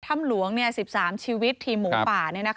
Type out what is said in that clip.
ถ้ำหลวง๑๓ชีวิตทีมหมูป่า